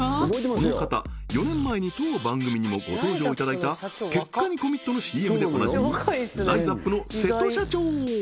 この方４年前に当番組にもご登場いただいた「結果にコミット」のＣＭでおなじみライザップの瀬戸社長